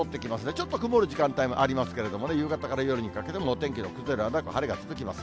ちょっと曇る時間帯もありますけれどもね、夕方から夜にかけてもお天気の崩れはなく、晴れが続きます。